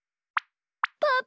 パパ。